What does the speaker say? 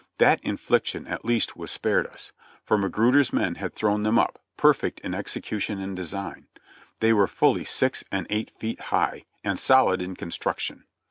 That infliction at least was spared us, for Magruder's men had thrown them up, perfect in execution and design. They were fully six and eight feet high, and solid in construction.